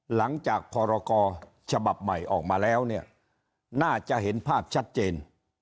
หลังจากพรกรฉบับใหม่ออกมาแล้วเนี่ยน่าจะเห็นภาพชัดเจน